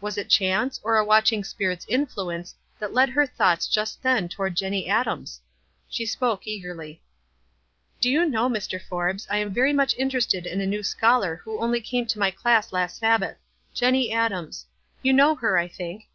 Was it chance, or a watching Spirit's influence, that led her thoughts just theu toward Jenny Adams ? She spoke eagerly. "Do you know, Mr. Forbes, I am very much interested in a new scholar who only came into my class last Sabbath — Jenny Adams. You know her. I think.